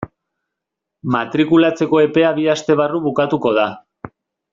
Matrikulatzeko epea bi aste barru bukatuko da.